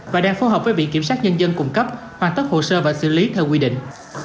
và đang phù hợp với vị kiểm soát nhân dân cung cấp hoàn tất hồ sơ và xử lý theo quy định